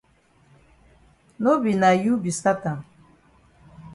No be na you be stat am.